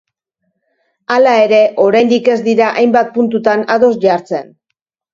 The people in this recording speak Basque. Hala ere, oraindik ez dira hainbat puntutan ados jartzen.